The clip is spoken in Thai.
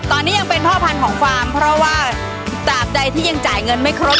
ตอนนี้ยังเป็นพ่อพันธุ์ของฟาร์มเพราะว่าตราบใดที่ยังจ่ายเงินไม่ครบ